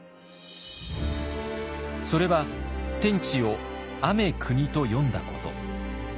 それは「天地」を「アメクニ」と読んだこと。